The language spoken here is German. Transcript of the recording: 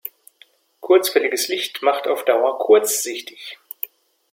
Kurzwelliges Licht macht auf Dauer kurzsichtig.